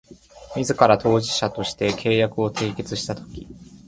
自ら当事者として契約を締結したとき